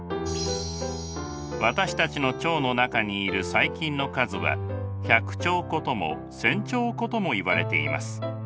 私たちの腸の中にいる細菌の数は１００兆個とも１，０００兆個ともいわれています。